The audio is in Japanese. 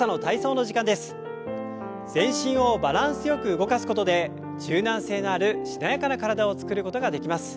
全身をバランスよく動かすことで柔軟性があるしなやかな体を作ることができます。